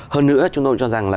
hơn nữa chúng tôi cho rằng là